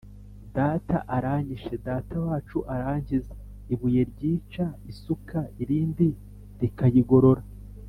Data aranyishe data wacu arankiza-Ibuye ryica isuka irindi rikayigorora.